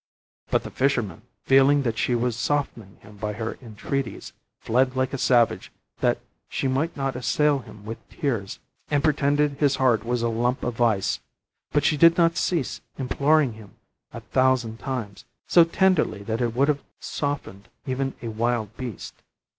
But the fisherman, feeling that she was softening him by her entreaties, fled like a savage that she might not assail him with tears, and pretended his heart was a lump of ice; but she did not cease imploring him a thousand times, so tenderly that it would have softened even a wild beast.